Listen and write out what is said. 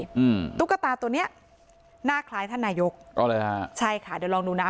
อืมตุ๊กตาตัวเนี้ยหน้าคล้ายท่านนายกอ๋อเลยฮะใช่ค่ะเดี๋ยวลองดูนะ